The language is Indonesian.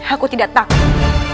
aku tidak takut